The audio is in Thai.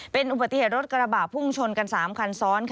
เป็นอุบัติเหตุรถกระบะพุ่งชนกัน๓คันซ้อน